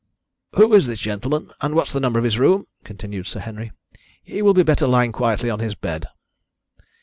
"Who is this gentleman, and what's the number of his room?" continued Sir Henry. "He will be better lying quietly on his bed."